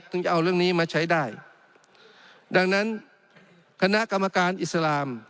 ถึงจะเอาเรื่องนี้มาใช้ได้ดังนั้นคณะกรรมการอิสลาม